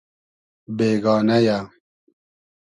بېگانۂ یۂ